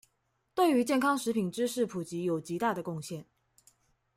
對於健康食品知識普及有極大的貢獻